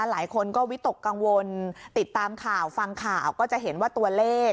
หลายคนก็วิตกกังวลติดตามข่าวฟังข่าวก็จะเห็นว่าตัวเลข